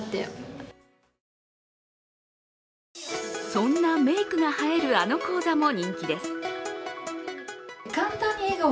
そんなメイクが映えるあの講座も人気です。